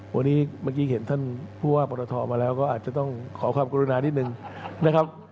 วันนี้เมื่อกี้เห็นท่านผู้ว่าปรทมาแล้วก็อาจจะต้องขอความกรุณานิดนึงนะครับ